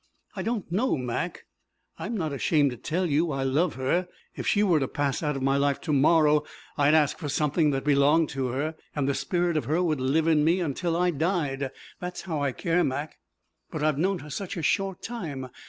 "I don't know, Mac. I'm not ashamed to tell you. I love her. If she were to pass out of my life to morrow I would ask for something that belonged to her, and the spirit of her would live in it for me until I died. That's how I care, Mac. But I've known her such a short time.